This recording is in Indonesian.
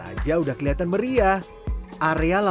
aja udah kelihatan meriah area lah